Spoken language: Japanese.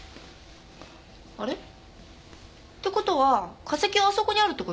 あれ？って事は化石はあそこにあるって事？